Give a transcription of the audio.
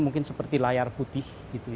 mungkin seperti layar putih